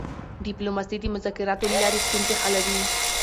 ډیپلوماسي د مذاکراتو له لارې ستونزې حلوي.